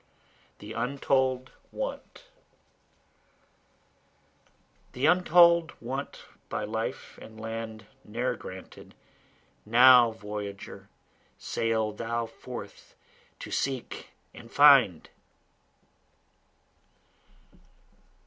The Untold Want The untold want by life and land ne'er granted, Now voyager sail thou forth to seek and find.